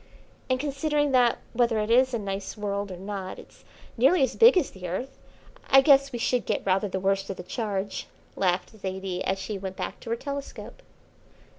"And considering that, whether it is a nice world or not it's nearly as big as the Earth, I guess we should get rather the worst of the charge," laughed Zaidie as she went back to her telescope.